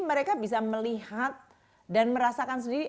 mereka bisa melihat dan merasakan sendiri